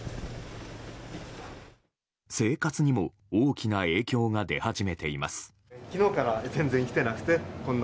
生活にも大きな影響が出始めています。